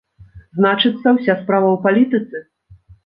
Значыцца, уся справа ў палітыцы?